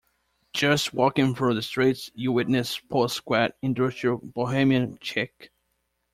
Just walking through the streets you witness post-squat, industrial bohemian chic.